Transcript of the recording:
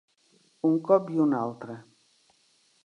Un cop i un altre.